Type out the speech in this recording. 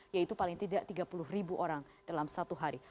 yaitu paling tidak tiga puluh ribu orang dalam satu hari